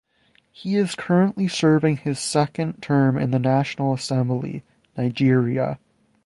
He is currently serving his second term in the National Assembly (Nigeria).